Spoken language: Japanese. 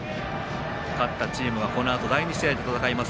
勝ったチームはこのあと第２試合で戦います